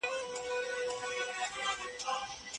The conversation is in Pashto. اوبه تل پاکي نه وي.